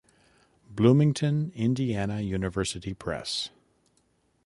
Bloomington: Indiana University Press.